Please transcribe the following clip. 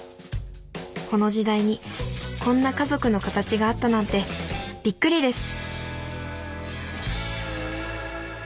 この時代にこんな家族の形があったなんてびっくりです